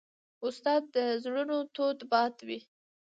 استاد د زړونو تود باد وي.